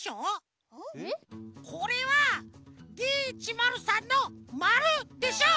これはＤ１０３の「０」でしょ！